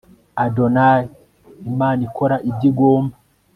ADONAYIIMANA IKORA IBYO IGOMBA